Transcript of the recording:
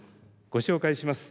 ご紹介します。